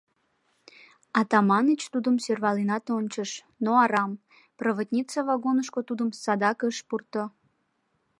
Атаманыч тудым сӧрваленат ончыш, но арам: проводница вагонышко тудым садак ыш пурто.